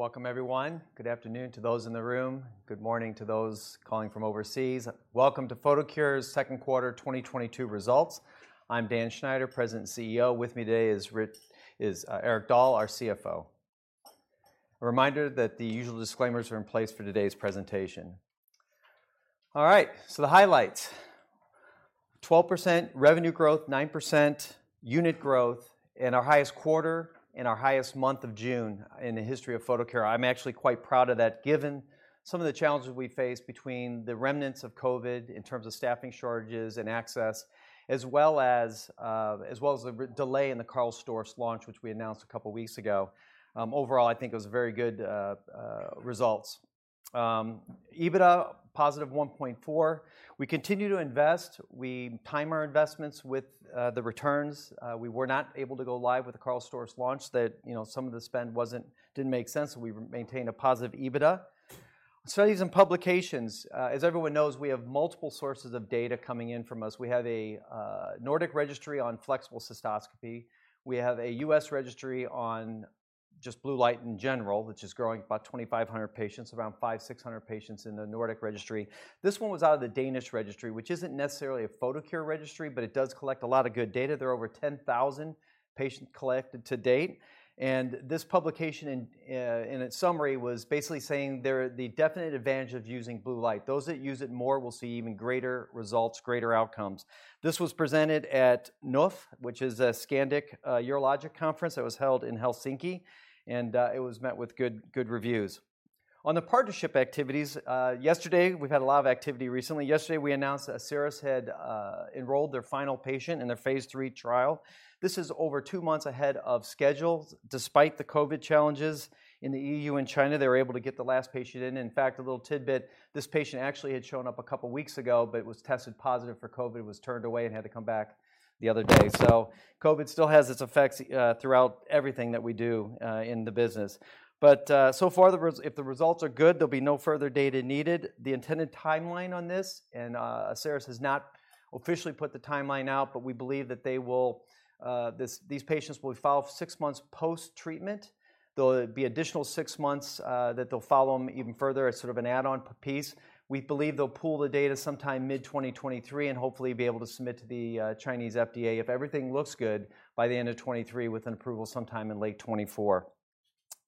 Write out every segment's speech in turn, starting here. Welcome everyone. Good afternoon to those in the room. Good morning to those calling from overseas. Welcome to Photocure's second quarter 2022 results. I'm Dan Schneider, President and CEO. With me today is Erik Dahl, our CFO. A reminder that the usual disclaimers are in place for today's presentation. All right. The highlights. 12% revenue growth, 9% unit growth, and our highest quarter and our highest month of June in the history of Photocure. I'm actually quite proud of that given some of the challenges we face between the remnants of COVID in terms of staffing shortages and access, as well as well as the delay in the Karl Storz launch, which we announced a couple of weeks ago. Overall, I think it was very good results. EBITDA positive 1.4. We continue to invest. We time our investments with the returns. We were not able to go live with the Karl Storz launch that, you know, some of the spend didn't make sense, so we maintained a positive EBITDA. Studies and publications. As everyone knows, we have multiple sources of data coming in from us. We have a Nordic registry on flexible cystoscopy. We have a US registry on just blue light in general, which is growing about 2,500 patients, around 500-600 patients in the Nordic registry. This one was out of the Danish registry, which isn't necessarily a Photocure registry, but it does collect a lot of good data. There are over 10,000 patients collected to date. This publication in its summary was basically saying there are the definite advantage of using blue light. Those that use it more will see even greater results, greater outcomes. This was presented at NUF, which is a Scandinavian urological conference that was held in Helsinki, and it was met with good reviews. On the partnership activities, yesterday, we've had a lot of activity recently. Yesterday, we announced that Asieris had enrolled their final patient in their phase 3 trial. This is over two months ahead of schedule. Despite the COVID challenges in the EU and China, they were able to get the last patient in. In fact, a little tidbit, this patient actually had shown up a couple weeks ago, but was tested positive for COVID, was turned away, and had to come back the other day. COVID still has its effects throughout everything that we do in the business. So far, if the results are good, there'll be no further data needed. The intended timeline on this, Asieris has not officially put the timeline out, but we believe that they will, these patients will be followed for six months post-treatment. There'll be additional six months that they'll follow them even further as sort of an add-on piece. We believe they'll pool the data sometime mid-2023 and hopefully be able to submit to the Chinese FDA if everything looks good by the end of 2023 with an approval sometime in late 2024,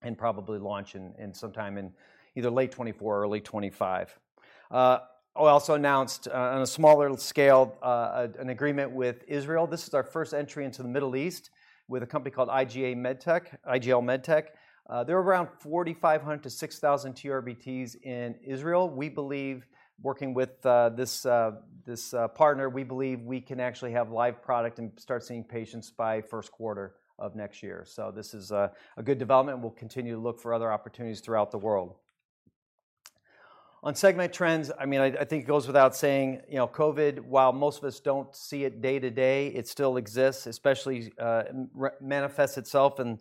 and probably launch sometime in either late 2024 or early 2025. I also announced on a smaller scale an agreement with Israel. This is our first entry into the Middle East with a company called IGL MedTech. There are around 4,500-6,000 TURBTs in Israel. We believe working with this partner, we believe we can actually have live product and start seeing patients by first quarter of next year. This is a good development. We'll continue to look for other opportunities throughout the world. On segment trends, I mean, I think it goes without saying, you know, COVID, while most of us don't see it day-to-day, it still exists, especially, manifests itself in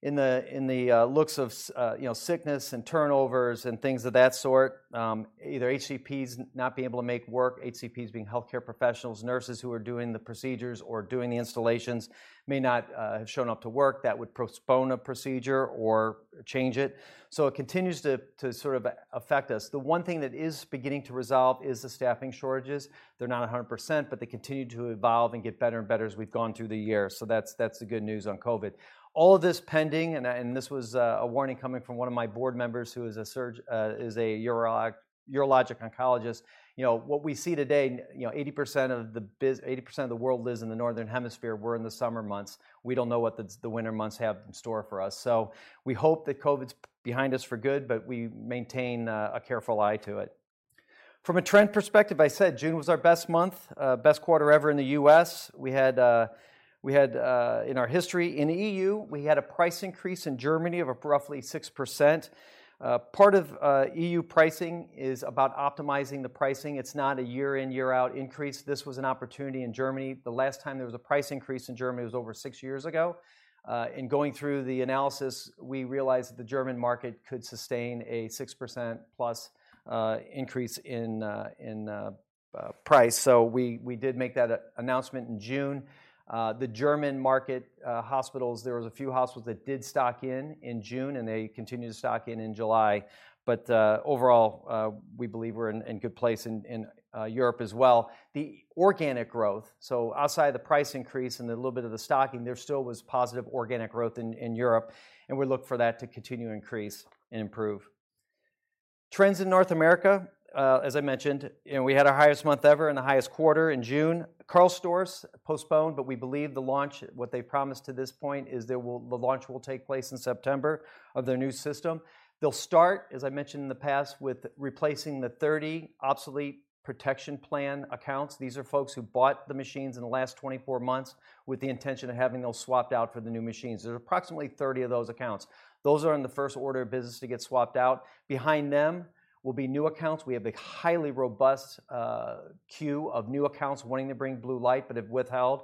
the form of, you know, sickness and turnovers and things of that sort. Either HCPs not being able to make work, HCPs being healthcare professionals, nurses who are doing the procedures or doing the installations may not have shown up to work. That would postpone a procedure or change it. It continues to sort of affect us. The one thing that is beginning to resolve is the staffing shortages. They're not 100%, but they continue to evolve and get better and better as we've gone through the year. That's the good news on COVID. All of this pending, this was a warning coming from one of my board members who is a urologic oncologist. You know, what we see today, you know, 80% of the world lives in the northern hemisphere. We're in the summer months. We don't know what the winter months have in store for us. We hope that COVID's behind us for good, but we maintain a careful eye to it. From a trend perspective, I said June was our best month, best quarter ever in the U.S. We had in our history. In EU, we had a price increase in Germany of roughly 6%. Part of EU pricing is about optimizing the pricing. It's not a year-in, year-out increase. This was an opportunity in Germany. The last time there was a price increase in Germany was over 6 years ago. In going through the analysis, we realized that the German market could sustain a 6% plus increase in price. So we did make that announcement in June. The German market hospitals, there was a few hospitals that did stock in June, and they continued to stock in July. Overall, we believe we're in good place in Europe as well. The organic growth, so outside the price increase and the little bit of the stocking, there still was positive organic growth in Europe. We look for that to continue to increase and improve. Trends in North America, as I mentioned, you know, we had our highest month ever and the highest quarter in June. Karl Storz postponed, but we believe the launch will take place in September of their new system. They'll start, as I mentioned in the past, with replacing the 30 obsolete protection plan accounts. These are folks who bought the machines in the last 24 months with the intention of having those swapped out for the new machines. There are approximately 30 of those accounts. Those are in the first order of business to get swapped out. Behind them will be new accounts. We have a highly robust queue of new accounts wanting to bring blue light but have withheld,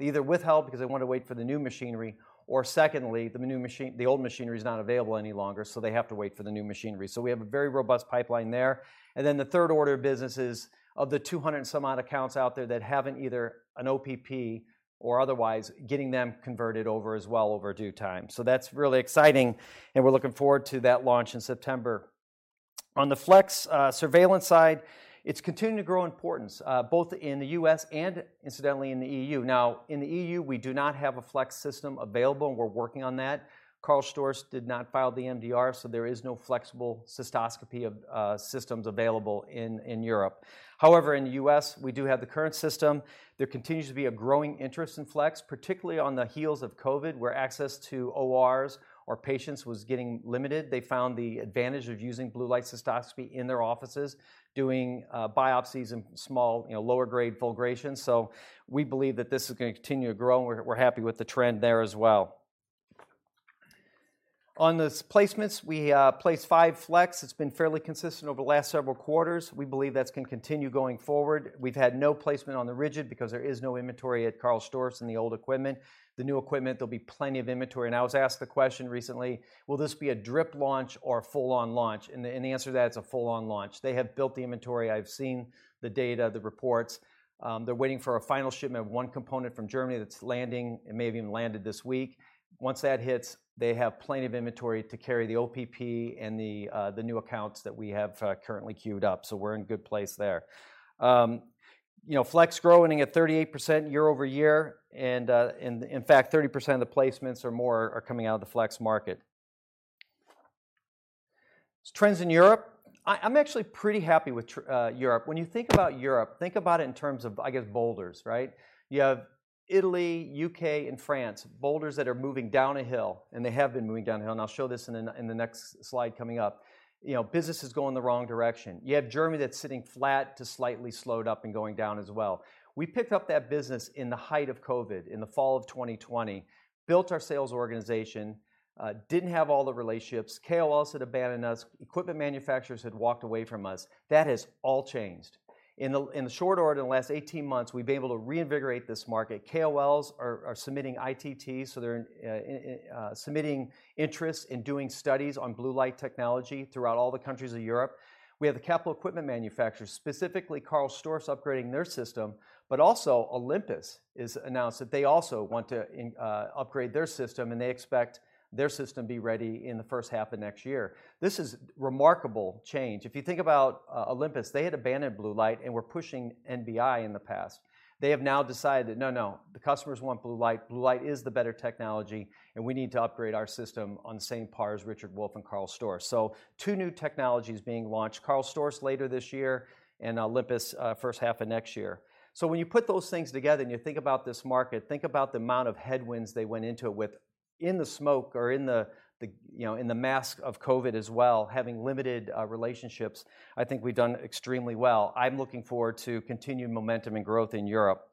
either because they want to wait for the new machinery, or secondly, the new machinery is not available any longer, so they have to wait for the new machinery. We have a very robust pipeline there. The third order of business is of the 200 and some odd accounts out there that haven't either an OPP or otherwise getting them converted over as well over due time. That's really exciting, and we're looking forward to that launch in September. On the flex surveillance side, it's continuing to grow in importance both in the U.S. and incidentally, in the E.U. Now, in the EU, we do not have a flex system available, and we're working on that. Karl Storz did not file the MDR, so there is no flexible cystoscopy of systems available in Europe. However, in the U.S., we do have the current system. There continues to be a growing interest in flex, particularly on the heels of COVID, where access to ORs or patients was getting limited. They found the advantage of using blue light cystoscopy in their offices, doing biopsies and small, you know, lower grade fulgurations. We believe that this is gonna continue to grow, and we're happy with the trend there as well. On the placements, we placed 5 flex. It's been fairly consistent over the last several quarters. We believe that's gonna continue going forward. We've had no placement on the rigid because there is no inventory at Karl Storz in the old equipment. The new equipment, there'll be plenty of inventory. I was asked the question recently, will this be a drip launch or a full-on launch? The answer to that is a full-on launch. They have built the inventory. I've seen the data, the reports. They're waiting for a final shipment of one component from Germany that's landing. It may have even landed this week. Once that hits, they have plenty of inventory to carry the OPP and the new accounts that we have currently queued up. We're in good place there. You know, flex growing at 38% year-over-year, and in fact, 30% of the placements or more are coming out of the flex market. Trends in Europe. I'm actually pretty happy with Europe. When you think about Europe, think about it in terms of, I guess, boulders, right? You have Italy, U.K., and France, boulders that are moving down a hill, and they have been moving down a hill, and I'll show this in the next slide coming up. You know, business is going the wrong direction. You have Germany that's sitting flat to slightly slowed up and going down as well. We picked up that business in the height of COVID, in the fall of 2020, built our sales organization, didn't have all the relationships. KOLs had abandoned us. Equipment manufacturers had walked away from us. That has all changed. In the short order, in the last 18 months, we've been able to reinvigorate this market. KOLs are submitting ITTs, so they're submitting interest in doing studies on blue light technology throughout all the countries of Europe. We have the capital equipment manufacturers, specifically Karl Storz, upgrading their system, but also Olympus has announced that they also want to upgrade their system, and they expect their system to be ready in the first half of next year. This is remarkable change. If you think about Olympus, they had abandoned blue light and were pushing NBI in the past. They have now decided that no, the customers want blue light. Blue light is the better technology, and we need to upgrade our system on the same par as Richard Wolf and Karl Storz. Two new technologies being launched, Karl Storz later this year and Olympus first half of next year. When you put those things together and you think about this market, think about the amount of headwinds they went into with the Omicron or in the, you know, in the midst of COVID as well, having limited relationships. I think we've done extremely well. I'm looking forward to continued momentum and growth in Europe.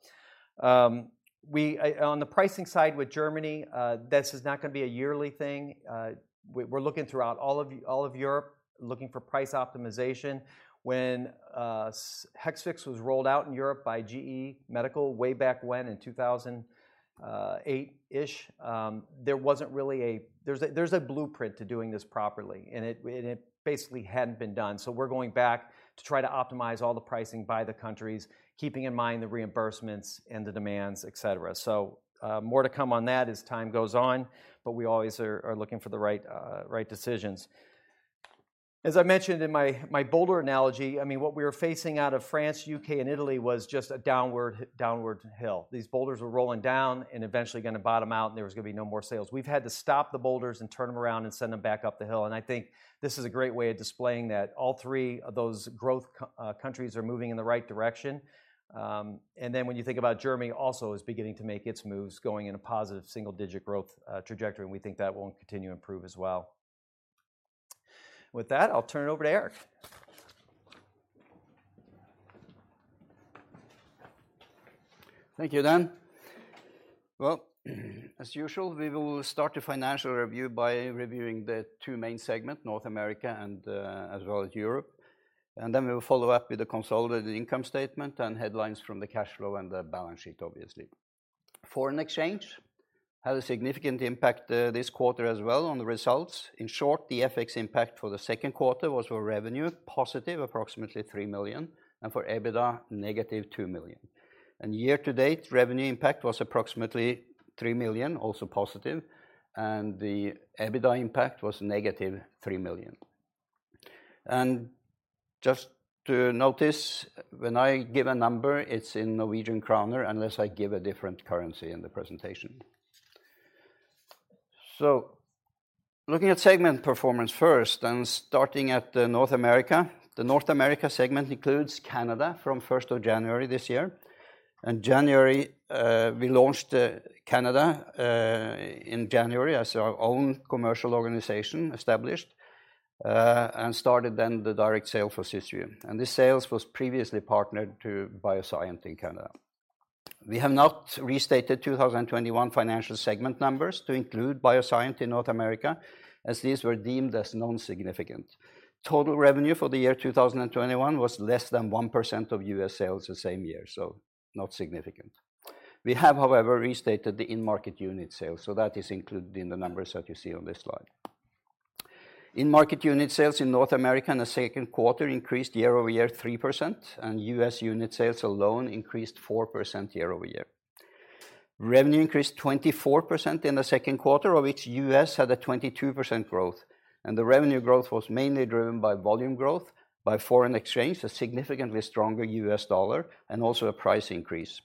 On the pricing side with Germany, this is not gonna be a yearly thing. We're looking throughout all of Europe, looking for price optimization. When Hexvix was rolled out in Europe by GE Healthcare way back when in 2008-ish, there wasn't really a blueprint to doing this properly, and it basically hadn't been done. We're going back to try to optimize all the pricing by the countries, keeping in mind the reimbursements and the demands, et cetera. More to come on that as time goes on, but we always are looking for the right decisions. As I mentioned in my boulder analogy, I mean, what we were facing out of France, U.K., and Italy was just a downward hill. These boulders were rolling down and eventually gonna bottom out, and there was gonna be no more sales. We've had to stop the boulders and turn them around and send them back up the hill. I think this is a great way of displaying that all three of those growth countries are moving in the right direction. When you think about Germany also is beginning to make its moves going in a positive single-digit growth trajectory, and we think that will continue to improve as well. With that, I'll turn it over to Erik. Thank you, Dan. Well, as usual, we will start the financial review by reviewing the two main segments, North America and as well as Europe. Then we will follow up with the consolidated income statement and headlines from the cash flow and the balance sheet, obviously. Foreign exchange had a significant impact this quarter as well on the results. In short, the FX impact for the second quarter was for revenue, positive approximately 3 million, and for EBITDA, negative 2 million. Year to date, revenue impact was approximately 3 million, also positive, and the EBITDA impact was negative 3 million. Just to note, when I give a number, it's in Norwegian kroner unless I give a different currency in the presentation. Looking at segment performance first and starting at North America. The North America segment includes Canada from first of January this year. In January, we launched in Canada as our own commercial organization established, and started then the direct sale for Cysview. This sales was previously partnered to BioSyent in Canada. We have not restated 2021 financial segment numbers to include BioSyent in North America, as these were deemed as non-significant. Total revenue for the year 2021 was less than 1% of US sales the same year, so not significant. We have, however, restated the in-market unit sales, so that is included in the numbers that you see on this slide. In-market unit sales in North America in the second quarter increased year-over-year 3%, and US unit sales alone increased 4% year-over-year. Revenue increased 24% in the second quarter, of which US had a 22% growth. The revenue growth was mainly driven by volume growth, by foreign exchange, a significantly stronger U.S. dollar, and also a price increase.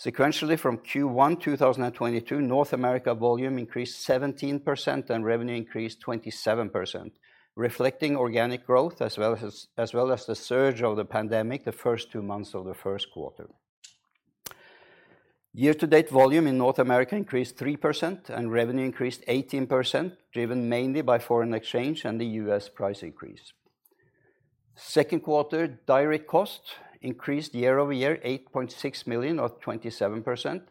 Sequentially from Q1 2022, North America volume increased 17% and revenue increased 27%, reflecting organic growth as well as the surge of the pandemic the first two months of the first quarter. Year-to-date volume in North America increased 3% and revenue increased 18%, driven mainly by foreign exchange and the US price increase. Second quarter direct costs increased year-over-year 8.6 million or 27%.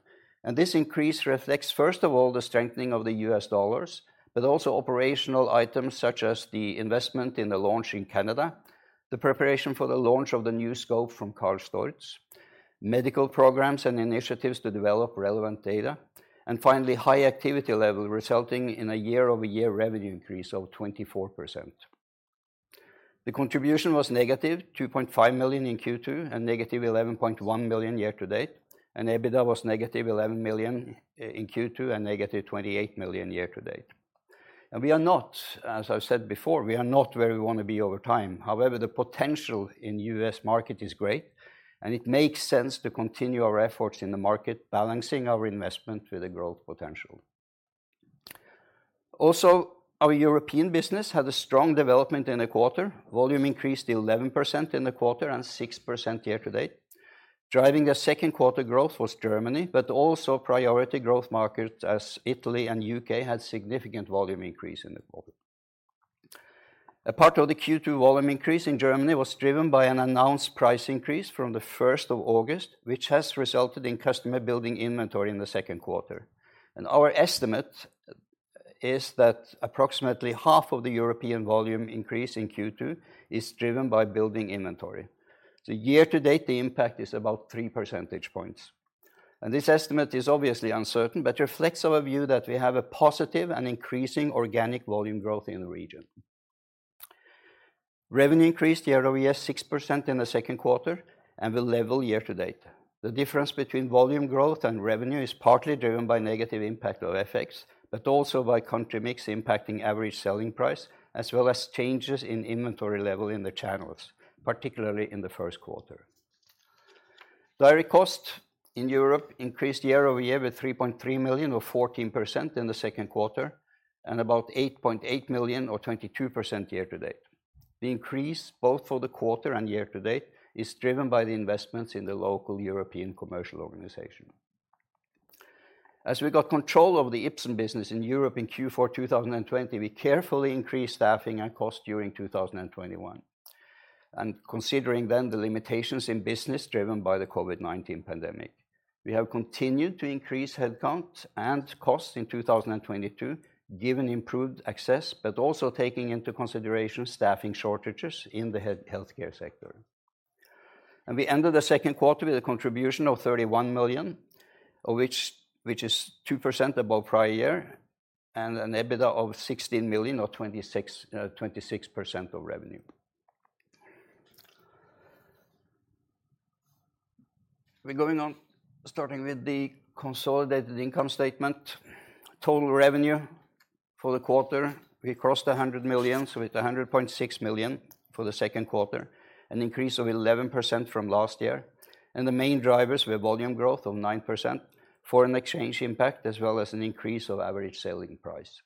This increase reflects, first of all, the strengthening of the U.S. dollar, but also operational items such as the investment in the launch in Canada, the preparation for the launch of the new scope from Karl Storz, medical programs and initiatives to develop relevant data, and finally, high activity level resulting in a year-over-year revenue increase of 24%. The contribution was -2.5 million in Q2 and -11.1 million year-to-date, and EBITDA was -11 million in Q2 and -28 million year-to-date. We are not, as I've said before, we are not where we wanna be over time. However, the potential in U.S. market is great, and it makes sense to continue our efforts in the market, balancing our investment with the growth potential. Also, our European business had a strong development in the quarter. Volume increased 11% in the quarter and 6% year-to-date. Driving the second quarter growth was Germany, but also priority growth markets as Italy and UK had significant volume increase in the quarter. A part of the Q2 volume increase in Germany was driven by an announced price increase from the first of August, which has resulted in customer building inventory in the second quarter. Our estimate is that approximately half of the European volume increase in Q2 is driven by building inventory. Year-to-date, the impact is about 3 percentage points. This estimate is obviously uncertain but reflects our view that we have a positive and increasing organic volume growth in the region. Revenue increased year-over-year 6% in the second quarter and is level year-to-date. The difference between volume growth and revenue is partly driven by negative impact of FX, but also by country mix impacting average selling price, as well as changes in inventory level in the channels, particularly in the first quarter. Direct costs in Europe increased year-over-year with 3.3 million or 14% in the second quarter and about 8.8 million or 22% year-to-date. The increase, both for the quarter and year-to-date, is driven by the investments in the local European commercial organization. As we got control of the Ipsen business in Europe in Q4 2020, we carefully increased staffing and cost during 2021, and considering then the limitations in business driven by the COVID-19 pandemic. We have continued to increase headcount and costs in 2022, given improved access, but also taking into consideration staffing shortages in the healthcare sector. We ended the second quarter with a contribution of 31 million, which is 2% above prior year, and an EBITDA of 16 million or 26% of revenue. We're going to start with the consolidated income statement. Total revenue for the quarter, we crossed 100 million, so it's 100.6 million for the second quarter, an increase of 11% from last year. The main drivers were volume growth of 9%, foreign exchange impact, as well as an increase of average selling price.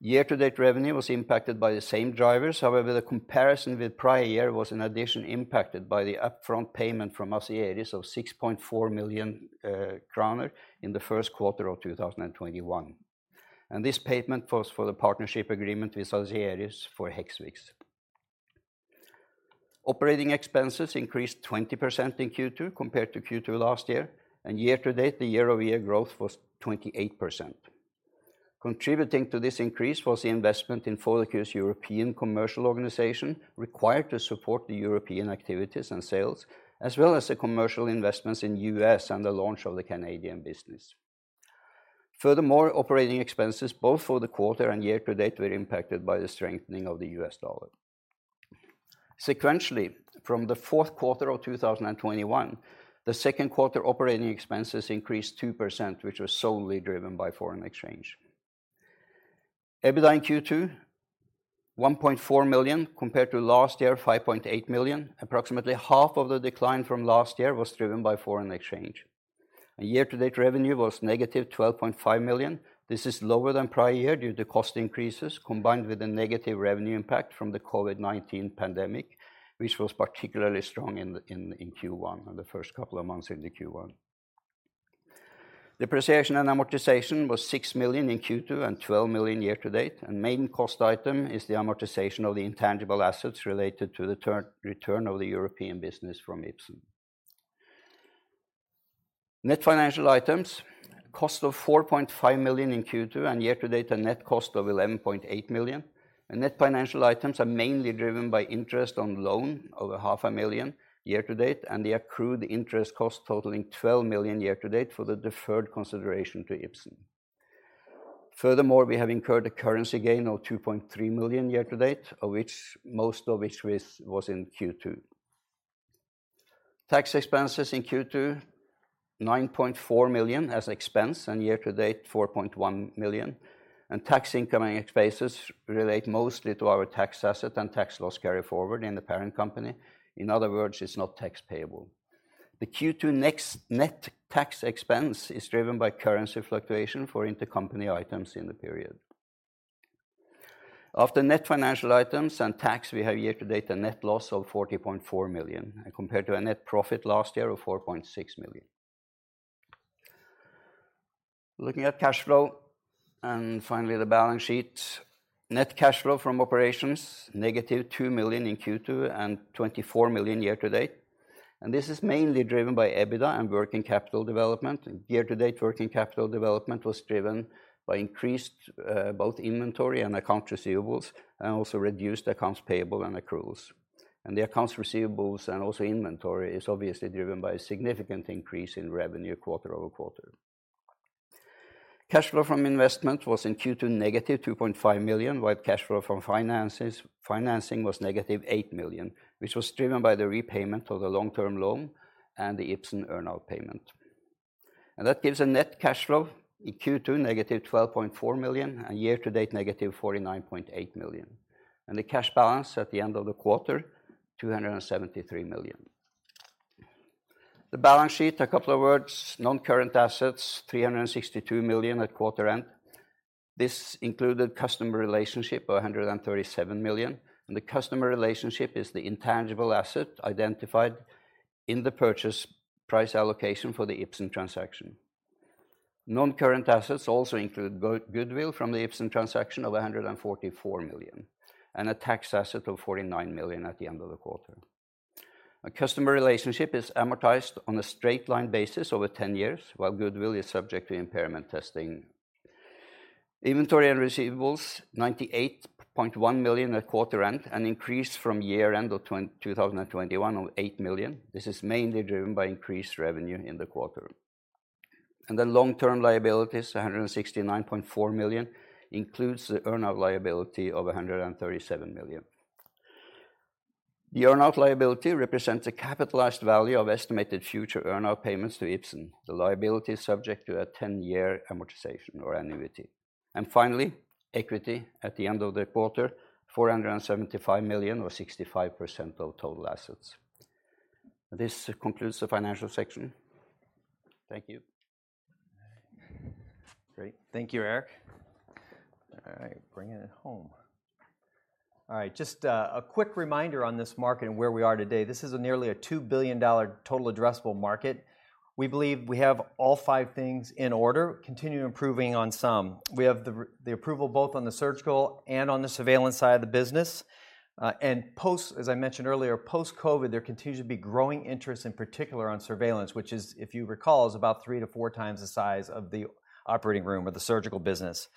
Year-to-date revenue was impacted by the same drivers. However, the comparison with prior year was in addition impacted by the upfront payment from Asieris of 6.4 million kroner in the first quarter of 2021. This payment was for the partnership agreement with Asieris for Hexvix. Operating expenses increased 20% in Q2 compared to Q2 last year. Year-to-date, the year-over-year growth was 28%. Contributing to this increase was the investment in Photocure's European commercial organization required to support the European activities and sales, as well as the commercial investments in the U.S. and the launch of the Canadian business. Furthermore, operating expenses both for the quarter and year-to-date were impacted by the strengthening of the U.S. dollar. Sequentially, from the fourth quarter of 2021, the second quarter operating expenses increased 2%, which was solely driven by foreign exchange. EBITDA in Q2, 1.4 million compared to last year, 5.8 million. Approximately half of the decline from last year was driven by foreign exchange. Year-to-date revenue was negative 12.5 million. This is lower than prior year due to cost increases combined with the negative revenue impact from the COVID-19 pandemic, which was particularly strong in Q1 in the first couple of months into Q1. Depreciation and amortization was 6 million in Q2 and 12 million year-to-date, and main cost item is the amortization of the intangible assets related to the return of the European business from Ipsen. Net financial items cost 4.5 million in Q2, and year-to-date a net cost of 11.8 million. Net financial items are mainly driven by interest on loan over half a million year-to-date, and the accrued interest cost totaling 12 million year-to-date for the deferred consideration to Ipsen. Furthermore, we have incurred a currency gain of 2.3 million year-to-date, of which most was in Q2. Tax expenses in Q2, 9.4 million as expense, and year to date, 4.1 million. Tax income and expenses relate mostly to our tax asset and tax loss carryforward in the parent company. In other words, it's not tax payable. The Q2 net tax expense is driven by currency fluctuation for intercompany items in the period. Of the net financial items and tax we have year to date, a net loss of 40.4 million compared to a net profit last year of 4.6 million. Looking at cash flow and finally the balance sheet. Net cash flow from operations, negative 2 million in Q2 and 24 million year to date. This is mainly driven by EBITDA and working capital development. Year to date working capital development was driven by increased both inventory and accounts receivable and also reduced accounts payable and accruals. The accounts receivable and also inventory is obviously driven by a significant increase in revenue quarter-over-quarter. Cash flow from investment was, in Q2, negative 2.5 million, while cash flow from financing was negative 8 million, which was driven by the repayment of the long-term loan and the Ipsen earn-out payment. That gives a net cash flow in Q2, negative 12.4 million, and year to date, negative 49.8 million. The cash balance at the end of the quarter, 273 million. The balance sheet, a couple of words. Non-current assets, 362 million at quarter end. This included customer relationship of 137 million, and the customer relationship is the intangible asset identified in the purchase price allocation for the Ipsen transaction. Non-current assets also include goodwill from the Ipsen transaction of 144 million, and a tax asset of 49 million at the end of the quarter. A customer relationship is amortized on a straight line basis over 10 years, while goodwill is subject to impairment testing. Inventory and receivables, 98.1 million at quarter end, an increase from year end of 2021 of 8 million. This is mainly driven by increased revenue in the quarter. The long-term liabilities, 169.4 million, includes the earn-out liability of 137 million. The earn-out liability represents a capitalized value of estimated future earn-out payments to Ipsen. The liability is subject to a 10-year amortization or annuity. Finally, equity at the end of the quarter, 475 million or 65% of total assets. This concludes the financial section. Thank you. Great. Thank you, Erik. All right, bringing it home. All right, just a quick reminder on this market and where we are today. This is nearly a $2 billion total addressable market. We believe we have all five things in order, continue improving on some. We have the approval both on the surgical and on the surveillance side of the business. Post, as I mentioned earlier, post-COVID, there continues to be growing interest, in particular on surveillance, which, if you recall, is about 3-4 times the size of the operating room or the surgical business.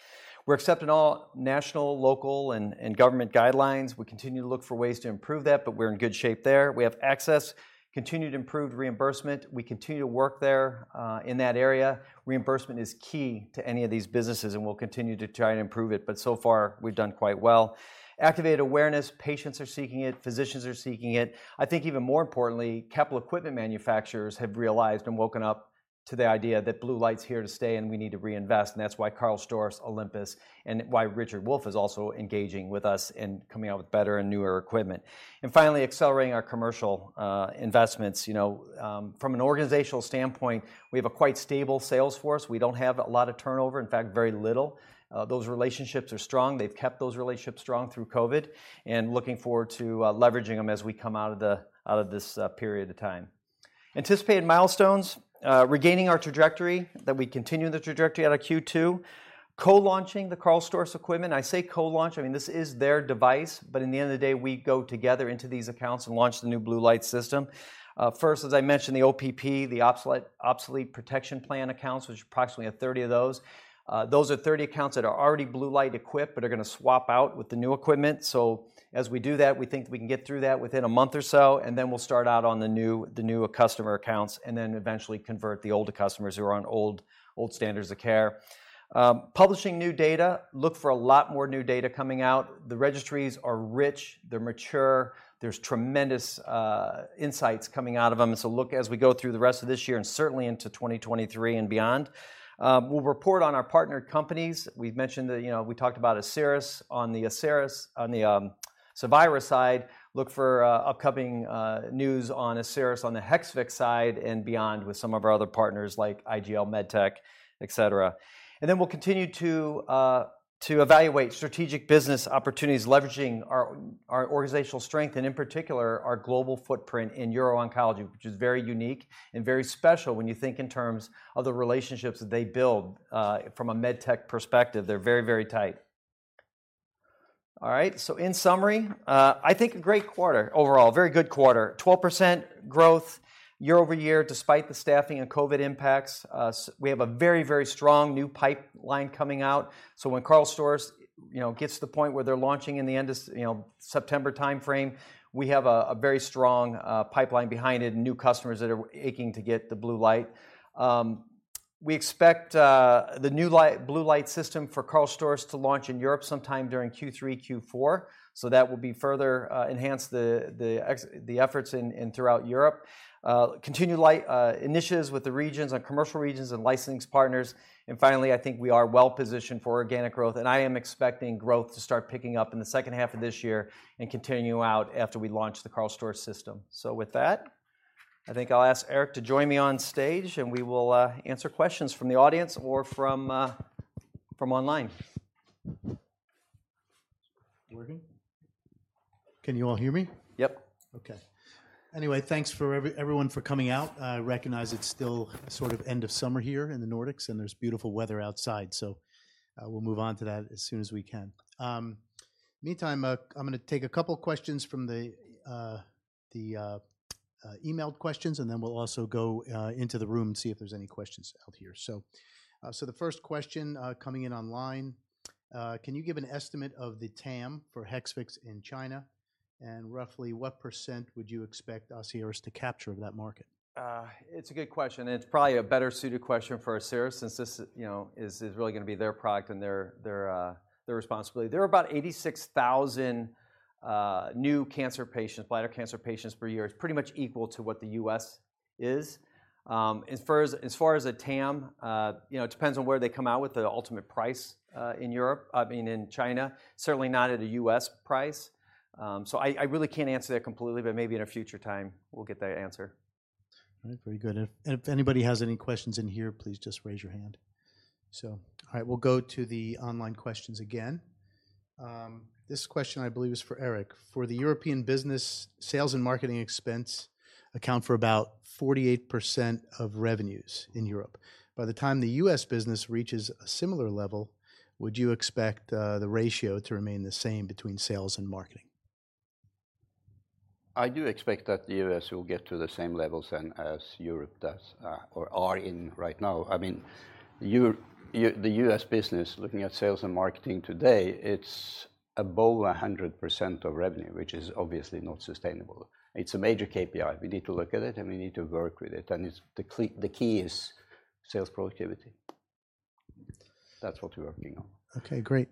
We're accepting all national, local, and government guidelines. We continue to look for ways to improve that, but we're in good shape there. We have access, continued improved reimbursement. We continue to work there, in that area. Reimbursement is key to any of these businesses, and we'll continue to try and improve it. So far, we've done quite well. Activated awareness, patients are seeking it. Physicians are seeking it. I think even more importantly, capital equipment manufacturers have realized and woken up to the idea that blue light's here to stay and we need to reinvest. That's why Karl Storz, Olympus, and Richard Wolf is also engaging with us and coming out with better and newer equipment. Finally, accelerating our commercial investments. You know, from an organizational standpoint, we have a quite stable sales force. We don't have a lot of turnover, in fact, very little. Those relationships are strong. They've kept those relationships strong through COVID, and looking forward to leveraging them as we come out of this period of time. Anticipated milestones. Regaining our trajectory, that we continue the trajectory out of Q2. Co-launching the Karl Storz equipment. I say co-launch. I mean, this is their device, but in the end of the day, we go together into these accounts and launch the new blue light system. First, as I mentioned, the OPP, the Obsolete Protection Plan accounts, which approximately have 30 of those. Those are 30 accounts that are already blue light equipped, but are gonna swap out with the new equipment. As we do that, we think we can get through that within a month or so, and then we'll start out on the new customer accounts, and then eventually convert the older customers who are on old standards of care. Publishing new data. Look for a lot more new data coming out. The registries are rich. They're mature. There's tremendous insights coming out of them. Look as we go through the rest of this year and certainly into 2023 and beyond. We'll report on our partner companies. We've mentioned that, you know, we talked about Asieris on the Asieris—on the Cysview side. Look for upcoming news on Asieris on the Hexvix side and beyond with some of our other partners like IGL MedTech, et cetera. Then we'll continue to evaluate strategic business opportunities, leveraging our organizational strength and in particular, our global footprint in uro-oncology, which is very unique and very special when you think in terms of the relationships that they build. From a MedTech perspective, they're very, very tight. All right, in summary, I think a great quarter overall, very good quarter. 12% growth year-over-year despite the staffing and COVID impacts. We have a very strong new pipeline coming out. When Karl Storz, you know, gets to the point where they're launching in the end of September timeframe, we have a very strong pipeline behind it and new customers that are aching to get the blue light. We expect the blue light system for Karl Storz to launch in Europe sometime during Q3, Q4. That will further enhance the efforts throughout Europe. Continued light initiatives with the regions, on commercial regions and licensing partners. Finally, I think we are well-positioned for organic growth, and I am expecting growth to start picking up in the second half of this year and continue out after we launch the Karl Storz system. With that, I think I'll ask Erik to join me on stage, and we will answer questions from the audience or from online. Working? Can you all hear me? Yep. Okay. Anyway, thanks for everyone for coming out. I recognize it's still sort of end of summer here in the Nordics, and there's beautiful weather outside. We'll move on to that as soon as we can. Meantime, I'm gonna take a couple questions from the emailed questions, and then we'll also go into the room and see if there's any questions out here. The first question coming in online, can you give an estimate of the TAM for Hexvix in China, and roughly what % would you expect Asieris to capture of that market? It's a good question, and it's probably a better-suited question for Asieris since this, you know, is really gonna be their product and their responsibility. There are about 86,000 new cancer patients, bladder cancer patients per year. It's pretty much equal to what the U.S. is. As far as the TAM, you know, it depends on where they come out with the ultimate price in Europe. In China. Certainly not at a U.S. price. I really can't answer that completely, but maybe in a future time we'll get that answer. All right. Very good. If anybody has any questions in here, please just raise your hand. All right, we'll go to the online questions again. This question, I believe, is for Erik. For the European business, sales and marketing expense account for about 48% of revenues in Europe. By the time the US business reaches a similar level, would you expect the ratio to remain the same between sales and marketing? I do expect that the US will get to the same levels as Europe does, or are in right now. I mean, the US business, looking at sales and marketing today, it's above 100% of revenue, which is obviously not sustainable. It's a major KPI. We need to look at it, and we need to work with it. It's the key. The key is sales productivity. That's what we're working on. Okay, great.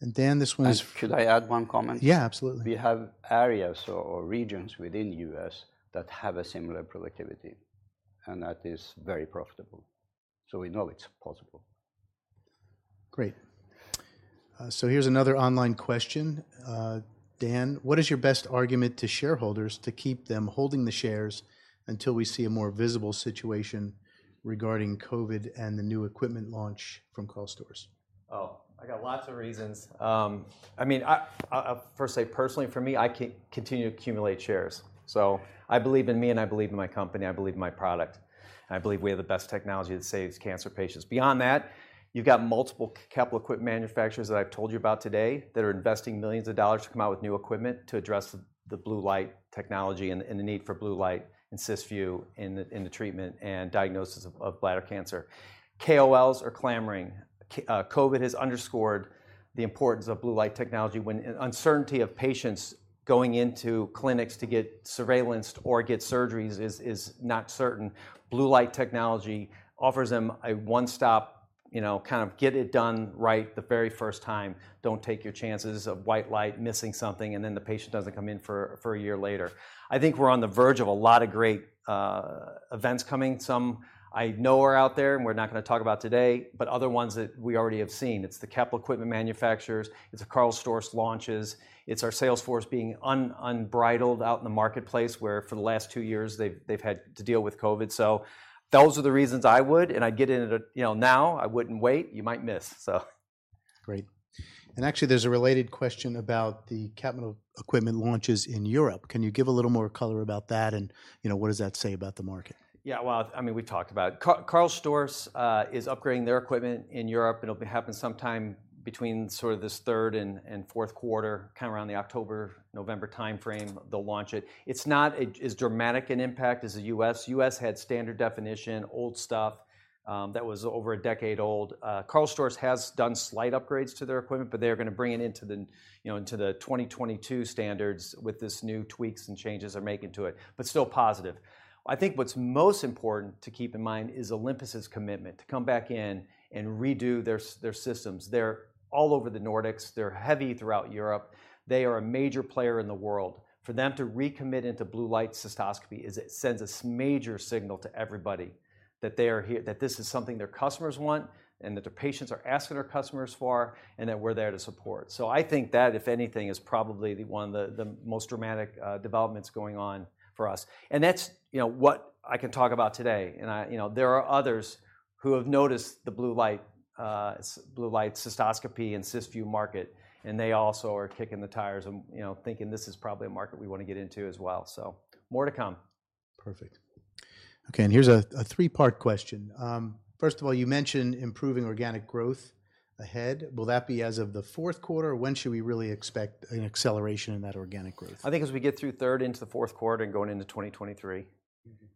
Yeah. Dan, this one is. Should I add one comment? Yeah, absolutely. We have areas or regions within U.S. that have a similar productivity, and that is very profitable. We know it's possible. Great. Here's another online question. Dan, what is your best argument to shareholders to keep them holding the shares until we see a more visible situation regarding COVID and the new equipment launch from Karl Storz? Oh, I got lots of reasons. I mean, I'll first say personally for me, I continue to accumulate shares. I believe in me, and I believe in my company. I believe in my product, and I believe we have the best technology that saves cancer patients. Beyond that, you've got multiple capital equipment manufacturers that I've told you about today that are investing millions of dollars to come out with new equipment to address the blue light technology and the need for blue light and Cysview in the treatment and diagnosis of bladder cancer. KOLs are clamoring. COVID has underscored the importance of blue light technology. When an uncertainty of patients going into clinics to get surveillance or get surgeries is not certain, blue light technology offers them a one-stop, you know, kind of get it done right the very first time. Don't take your chances of white light missing something, and then the patient doesn't come in for a year later. I think we're on the verge of a lot of great events coming. Some I know are out there, and we're not gonna talk about today. Other ones that we already have seen. It's the capital equipment manufacturers. It's the Karl Storz launches. It's our sales force being unbridled out in the marketplace, where for the last two years, they've had to deal with COVID. Those are the reasons I would, and I'd get in at a, you know, now. I wouldn't wait. You might miss, so. Great. Actually, there's a related question about the capital equipment launches in Europe. Can you give a little more color about that, and, you know, what does that say about the market? Yeah. Well, I mean, we talked about it. Karl Storz is upgrading their equipment in Europe, and it'll be happening sometime between sort of this third and fourth quarter. Kinda around the October-November timeframe, they'll launch it. It's not as dramatic an impact as the US. US had standard definition, old stuff, that was over a decade old. Karl Storz has done slight upgrades to their equipment, but they are gonna bring it into the, you know, 2022 standards with this new tweaks and changes they're making to it, but still positive. I think what's most important to keep in mind is Olympus's commitment to come back in and redo their systems. They're all over the Nordics. They're heavy throughout Europe. They are a major player in the world. For them to recommit into blue light cystoscopy sends a major signal to everybody that they are here, that this is something their customers want, and that their patients are asking their customers for, and that we're there to support. I think that, if anything, is probably one of the most dramatic developments going on for us. That's, you know, what I can talk about today, and I, you know. There are others who have noticed the blue light cystoscopy and Cysview market, and they also are kicking the tires and, you know, thinking, "This is probably a market we wanna get into as well." More to come. Perfect. Okay, and here's a three-part question. First of all, you mentioned improving organic growth ahead. Will that be as of the fourth quarter? When should we really expect an acceleration in that organic growth? I think as we get through third into the fourth quarter and going into 2023. Mm-hmm.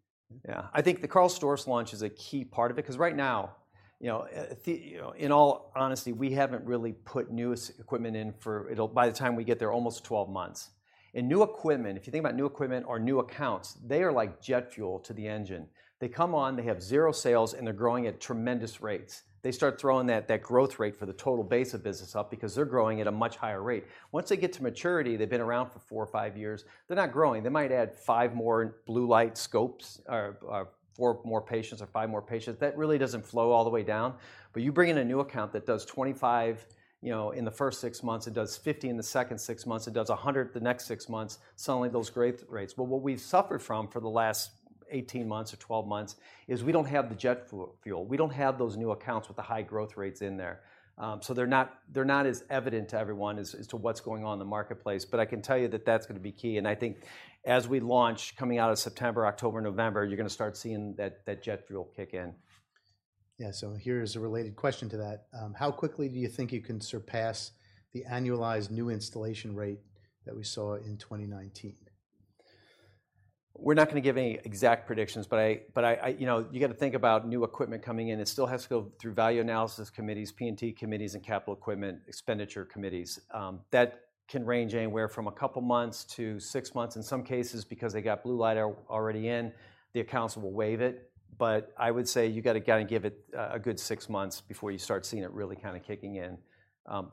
Yeah. I think the Karl Storz launch is a key part of it, 'cause right now in all honesty, we haven't really put new equipment in for it'll by the time we get there, almost 12 months. New equipment, if you think about new equipment or new accounts, they are like jet fuel to the engine. They come on, they have zero sales, and they're growing at tremendous rates. They start throwing that growth rate for the total base of business up because they're growing at a much higher rate. Once they get to maturity, they've been around for 4 or 5 years, they're not growing. They might add 5 more blue light scopes or 4 more patients or 5 more patients. That really doesn't flow all the way down. You bring in a new account that does 25, you know, in the first six months, it does 50 in the second six months, it does 100 the next six months, suddenly those great rates. What we've suffered from for the last 18 months or 12 months is we don't have the jet fuel. We don't have those new accounts with the high growth rates in there. So they're not as evident to everyone as to what's going on in the marketplace. I can tell you that that's gonna be key. I think as we launch coming out of September, October, November, you're gonna start seeing that jet fuel kick in. Yeah. Here's a related question to that. How quickly do you think you can surpass the annualized new installation rate that we saw in 2019? We're not gonna give any exact predictions. You know, you got to think about new equipment coming in. It still has to go through value analysis committees, P&T committees and capital equipment expenditure committees. That can range anywhere from a couple months to six months in some cases because they got blue light already in the accounts will waive it. I would say you got to go and give it a good six months before you start seeing it really kind of kicking in.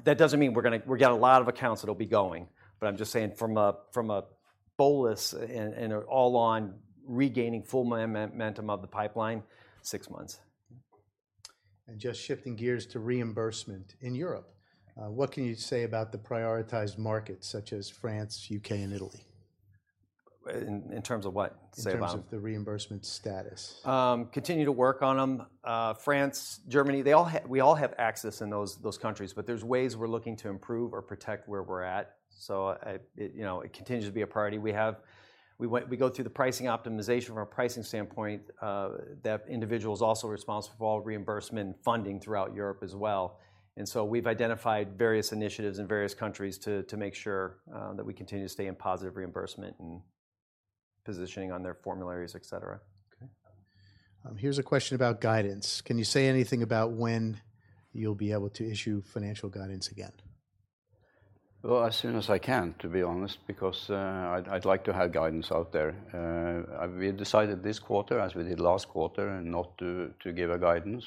That doesn't mean we're gonna. We've got a lot of accounts that'll be going. I'm just saying from a bolus and all on regaining full momentum of the pipeline, six months. Just shifting gears to reimbursement in Europe, what can you say about the prioritized markets such as France, U.K. and Italy? In terms of what, Sevan? In terms of the reimbursement status. Continue to work on them. France, Germany, they all have access in those countries, but there's ways we're looking to improve or protect where we're at. It continues to be a priority. We go through the pricing optimization from a pricing standpoint, that individual is also responsible for all reimbursement funding throughout Europe as well. We've identified various initiatives in various countries to make sure that we continue to stay in positive reimbursement and positioning on their formularies, et cetera. Okay. Here's a question about guidance. Can you say anything about when you'll be able to issue financial guidance again? Well, as soon as I can, to be honest, because I'd like to have guidance out there. We decided this quarter, as we did last quarter, not to give a guidance,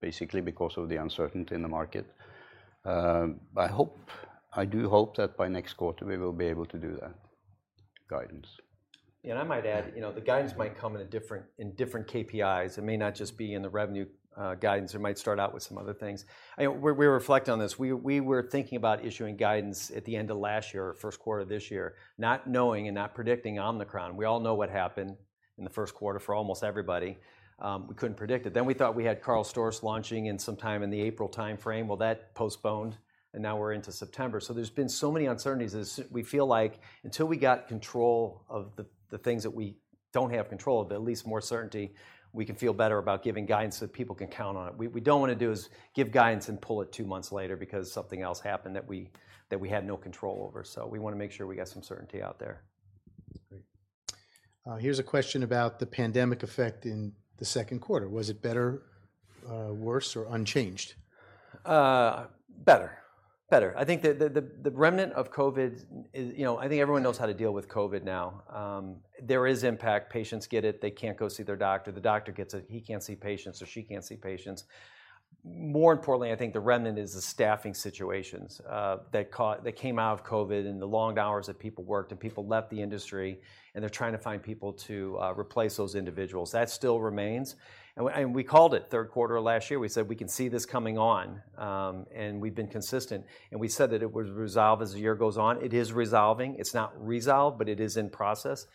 basically because of the uncertainty in the market. I hope, I do hope that by next quarter we will be able to do that guidance. I might add, you know, the guidance might come in a different, in different KPIs. It may not just be in the revenue, uh, guidance. It might start out with some other things. You know, we reflect on this. We were thinking about issuing guidance at the end of last year or first quarter this year, not knowing and not predicting Omicron. We all know what happened in the first quarter for almost everybody. We couldn't predict it. Then we thought we had Karl Storz launching in sometime in the April timeframe. Well, that postponed, and now we're into September. There's been so many uncertainties as we feel like until we got control of the things that we don't have control of, but at least more certainty, we can feel better about giving guidance so that people can count on it. We don't want to do is give guidance and pull it two months later because something else happened that we had no control over. We want to make sure we got some certainty out there. Great. Here's a question about the pandemic effect in the second quarter. Was it better, worse or unchanged? Better. I think the remnant of COVID is. You know, I think everyone knows how to deal with COVID now. There is impact. Patients get it. They can't go see their doctor. The doctor gets it. He can't see patients or she can't see patients. More importantly, I think the remnant is the staffing situations that came out of COVID and the long hours that people worked and people left the industry, and they're trying to find people to replace those individuals. That still remains. We called it third quarter of last year. We said, we can see this coming on. We've been consistent. We said that it would resolve as the year goes on. It is resolving. It's not resolved, but it is in process.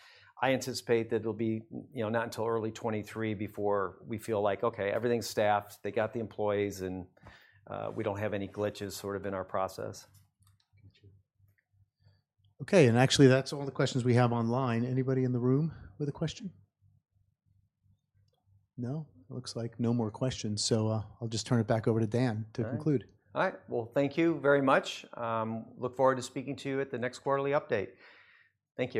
I anticipate that it'll be, you know, not until early 2023 before we feel like, okay, everything's staffed. They got the employees, and we don't have any glitches sort of in our process. Okay. Actually that's all the questions we have online. Anybody in the room with a question? No? It looks like no more questions. I'll just turn it back over to Dan to conclude. All right. Well, thank you very much. Look forward to speaking to you at the next quarterly update. Thank you.